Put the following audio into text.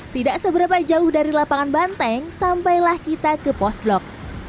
tidak seberapa jauh dari lapangan banteng sampailah kita ke pos blok